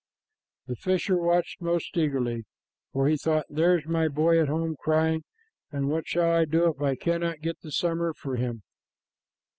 The fisher watched most eagerly, for he thought, "There's my boy at home crying, and what shall I do if I cannot get the summer for him?"